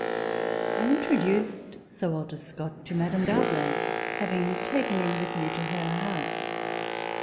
I introduced Sir Walter Scott to Madame D' Arblay, having taken him with me to her house.